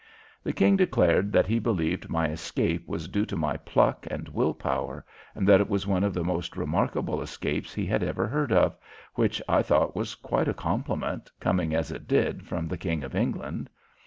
The King declared that he believed my escape was due to my pluck and will power, and that it was one of the most remarkable escapes he had ever heard of, which I thought was quite a compliment, coming as it did from the King of England.